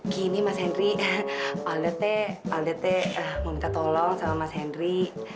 gini mas henry alda teh mau minta tolong sama mas henry